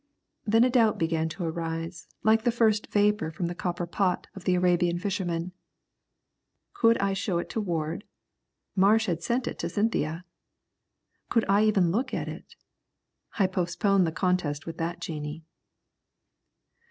Then a doubt began to arise like the first vapour from the copper pot of the Arabian fisherman. Could I show it to Ward? Marsh had sent it to Cynthia. Could I even look at it? I postponed the contest with that genie.